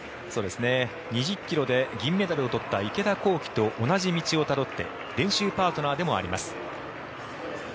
２０ｋｍで銀メダルを取った池田向希と同じ道をたどって練習パートナーでもあります。